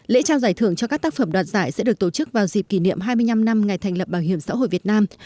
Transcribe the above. lễ trao giải thưởng cho các tác phẩm đoạt giải sẽ được tổ chức vào dịp kỷ niệm hai mươi năm năm ngày thành lập bảo hiểm xã hội việt nam